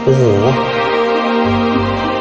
โอ้โห